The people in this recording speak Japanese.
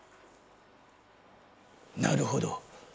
なるほど。